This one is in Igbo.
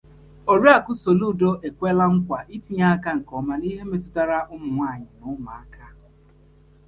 Oriakụ Soludo Ekwela Nkwà Itinye Anya Nke Ọma n'Ihe Metụtara Ụmụnwaanyị na Ụmụaka